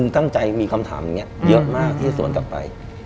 ตั้งใจมีคำถามเยอะมากที่สวนกลับไป